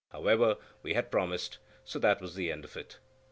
However, we had promised, so that was an end of it.